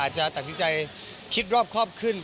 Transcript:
จะตัดสินใจคิดรอบครอบขึ้น